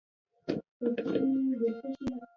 د لیمو ګل د څه لپاره وکاروم؟